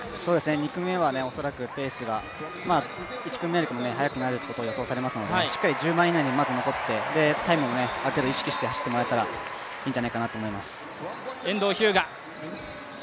２組目は恐らくペースが１組目より速くなることが予想されますのでしっかり１０番以内に入って、しっかりタイムも意識して走ってくれたらいいんじゃないかなと思います。